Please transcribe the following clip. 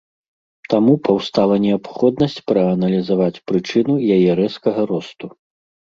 Таму паўстала неабходнасць прааналізаваць прычыну яе рэзкага росту.